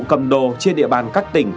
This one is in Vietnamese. cầm đồ trên địa bàn các tỉnh